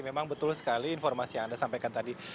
memang betul sekali informasi yang anda sampaikan tadi